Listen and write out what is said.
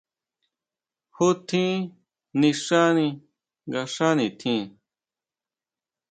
¿Ju tjín nixani kuanga xá nitjín?